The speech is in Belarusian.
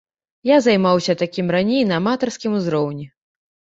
Я займаўся такім раней на аматарскім узроўні.